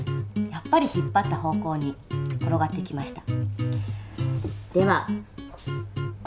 やっぱり引っぱった手の方向に転がってきました。